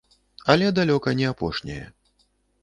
Але далёка не апошняе.